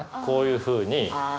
こういうふうに。